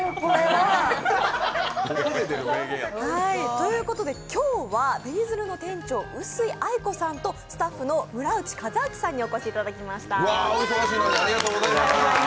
ということで今日は紅鶴の店長・碓井愛子さんとスタッフの村内壱旭さんにお越しいただきました。